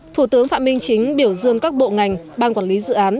thủ tướng phạm minh chính biểu dương các bộ ngành ban quản lý dự án